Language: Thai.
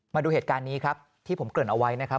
มาดูเหตุการณ์นี้ครับที่ผมเกริ่นเอาไว้นะครับ